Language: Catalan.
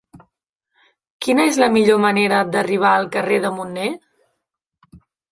Quina és la millor manera d'arribar al carrer de Munné?